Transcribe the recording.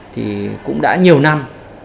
thì cũng đã nhiều năm